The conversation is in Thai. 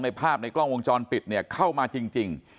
ภาพในกล้องวงจรปิดเนี่ยเข้ามาจริง